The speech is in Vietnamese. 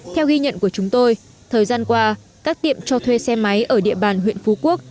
theo ghi nhận của chúng tôi thời gian qua các tiệm cho thuê xe máy ở địa bàn huyện phú quốc